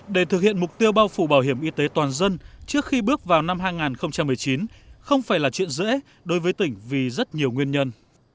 để thực hiện mục tiêu bao phủ bảo hiểm y tế toàn dân trước khi bước vào năm hai nghìn một mươi chín không phải là chuyện dễ đối với tỉnh vì rất nhiều nguyên nhân